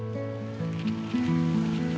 gak usah lo nyesel